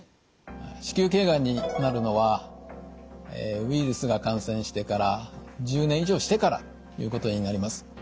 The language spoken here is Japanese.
子宮頸がんになるのはウイルスが感染してから１０年以上してからということになります。